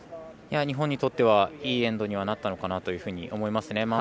日本にとってはいいエンドになったのかなというふうに思いますね。